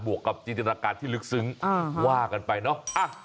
วกกับจินตนาการที่ลึกซึ้งว่ากันไปเนอะ